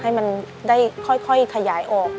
ให้มันได้ค่อยขยายออก